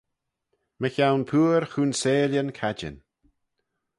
Mychione pooar choonseilyn cadjin.